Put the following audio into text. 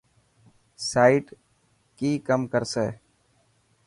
سائيٽ ڪي ڪم ڪرسي.